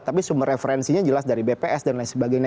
tapi sumber referensinya jelas dari bps dan lain sebagainya